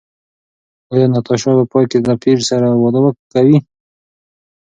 ایا ناتاشا په پای کې له پییر سره واده کوي؟